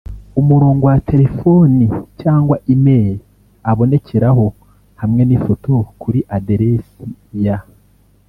umurongo wa telefoni cyangwa e-mail abonekeraho hamwe n’ifoto kuri aderesi ya